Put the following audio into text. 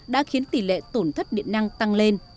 với tỷ lệ tổn thất điện lăng tăng lên